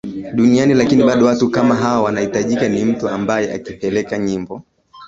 duniani lakini bado watu kama hawa wanahitajika ni mtu ambaye akipeleka nyimbo